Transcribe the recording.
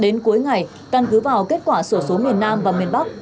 đến cuối ngày căn cứ vào kết quả sổ số miền nam và miền bắc